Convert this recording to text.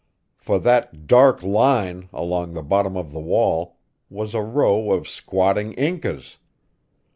For that "dark line" along the bottom of the wall was a row of squatting Incas!